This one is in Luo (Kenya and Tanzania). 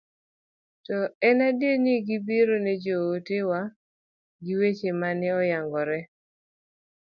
to en adiera ni negibiro ni joote wa gi weche mane oyangre